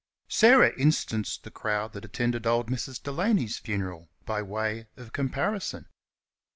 Sarah instanced the crowd that attended old Mrs. Delaney's funeral by way of comparison.